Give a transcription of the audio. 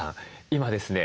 今ですね